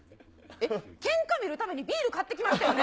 えっ、けんか見るためにビール買ってきましたよね。